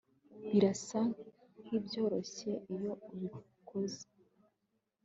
Birasa nkibyoroshye iyo ubikoze